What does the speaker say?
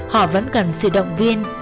họ vẫn cần sự động viên